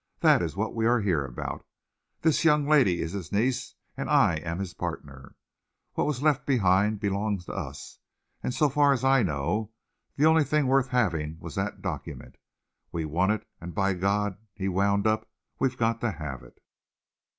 That is what we are here about. This young lady is his niece, and I'm his partner. What was left behind belongs to us, and, so far as I know, the only thing worth having was that document. We want it, and, by God," he wound up, "we've got to have it!"